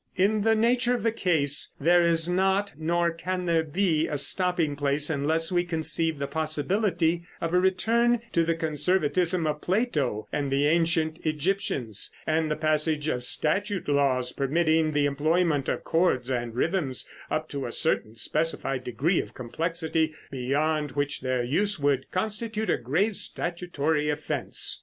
In the nature of the case, there is not, nor can there be, a stopping place, unless we conceive the possibility of a return to the conservatism of Plato and the ancient Egyptians, and the passage of statute laws permitting the employment of chords and rhythms up to a certain specified degree of complexity, beyond which their use would constitute a grave statutory offense.